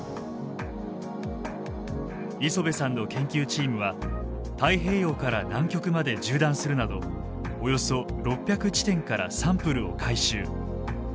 磯辺さんの研究チームは太平洋から南極まで縦断するなどおよそ６００地点からサンプルを回収。